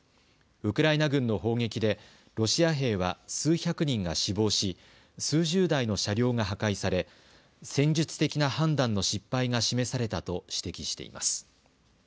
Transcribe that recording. ウクライナ軍の砲撃でロシア兵は数百人が死亡し、数十台の車両が破壊され戦術的な判断の失敗が示されたと指摘しています。